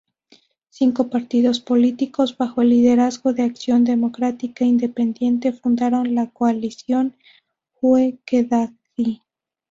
Cinco partidos políticos, bajo el liderazgo de Acción Democrática Independiente, fundaron la coalición Ue-Kedadji.